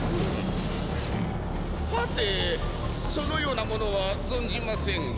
はてそのような者は存じませんが。